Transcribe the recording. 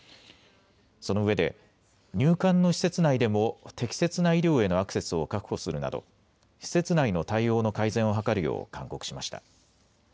そのうえで入管の施設内でも適切な医療へのアクセスを確保するなど施設内の対応の改善を図るよう勧告しました。